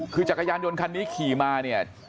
คือจักรยานยนต์คันนี้ขี่มาเนี่ย